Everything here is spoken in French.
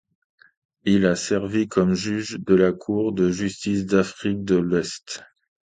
Il a servi comme juge de la cour de justice d'Afrique de l'Est.